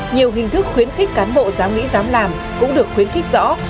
nhiều hình thức khuyến khích cán bộ dám nghĩ dám làm cũng được khuyến khích rõ